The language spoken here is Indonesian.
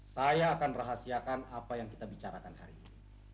saya akan rahasiakan apa yang kita bicarakan hari ini